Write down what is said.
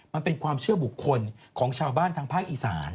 มันเป็นความเชื่อบุคคลของชาวบ้านทางภาคอีสาน